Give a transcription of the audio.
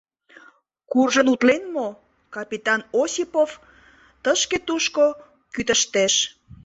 Куржын утлен мо? — капитан Осипов тышке-тушко кӱтыштеш.